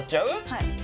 はい。